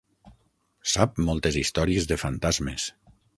Sap moltes històries de fantasmes.